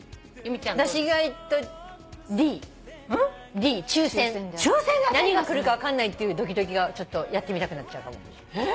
Ｄ「抽選」何が来るか分かんないっていうドキドキがちょっとやってみたくなっちゃうかも。